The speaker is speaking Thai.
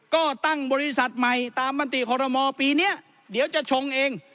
ก็ตั้งบริษัทใหม่ตามมติขอรมอลปีนี้เดี๋ยวจะชงเอง